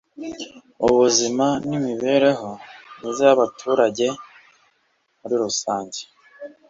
ubuzima n’imibereho myiza y’abaturage muri rusange